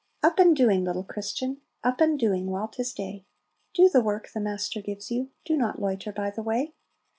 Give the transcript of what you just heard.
'Up and doing, little Christian! Up and doing, while 'tis day! Do the work the Master gives you. Do not loiter by the way.